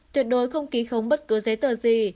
tuyệt đối không ký khống bất cứ giấy tờ gì